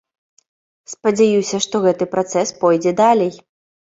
Спадзяюся, што гэты працэс пойдзе далей.